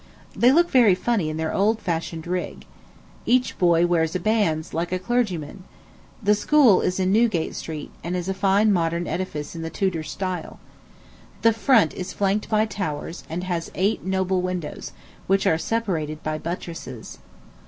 They look very funny in their old fashioned rig. Each boy wears bands like a clergyman. The school is in Newgate Street, and is a fine modern edifice in the Tudor style. The front is flanked by towers, and has eight noble windows, which are separated by buttresses.